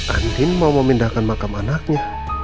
andin mau memindahkan makam anaknya